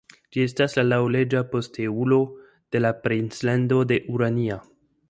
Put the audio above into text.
Ĝi estas la laŭleĝa posteulo de la Princlando de Urania.